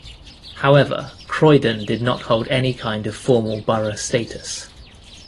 However, Croydon did not hold any kind of formal borough status.